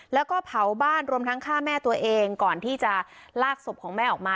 แล้วก็เผาบ้านรวมทั้งฆ่าแม่ตัวเองก่อนที่จะลากศพของแม่ออกมา